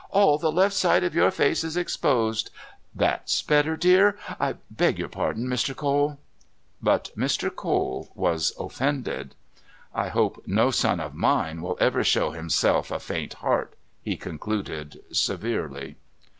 All the left side of your face is exposed. That's better, dear. I beg your pardon, Mr. Cole." But Mr. Cole was offended. "I hope no son of mine will ever show himself a faint heart," he concluded severely.